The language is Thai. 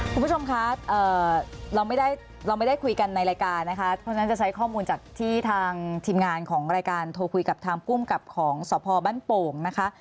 คุณผู้ชมคะเราไม่ได้คุยกันในเรายการนะคะฉันจะใช้ข้อมูลที่ทางทีมงานของโทรภูยกับทางกลุ้มกับของสภบันโป่งนะคะ